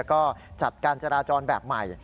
ก็จัดการจราจรแบบใหม่